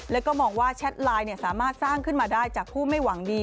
แล้วก็มองว่าแชทไลน์สามารถสร้างขึ้นมาได้จากผู้ไม่หวังดี